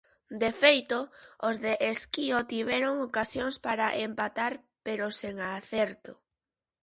De feito, os de Esquío tiveron ocasións para empatar pero sen acerto.